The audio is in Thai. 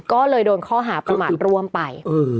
ก็เลยโดนข้อหาประมาทร่วมไป